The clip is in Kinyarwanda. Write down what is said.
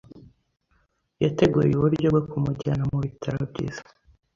Yateguye uburyo bwo kumujyana mu bitaro byiza.